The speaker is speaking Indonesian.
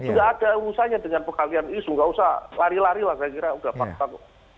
nggak ada usahanya dengan pengalian isu nggak usah lari larilah saya kira udah fakta kok